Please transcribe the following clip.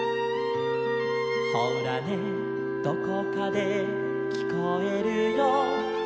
「ほらねどこかできこえるよ」